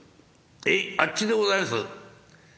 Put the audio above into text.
「へいあっしでございます」。